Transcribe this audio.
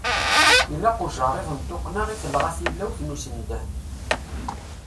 Ilaq ujeṛṛiḍ n tuqqna i telɣa tilawt n usendeh.